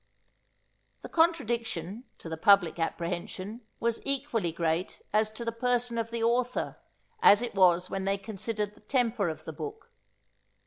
The contradiction, to the public apprehension, was equally great, as to the person of the author, as it was when they considered the temper of the book.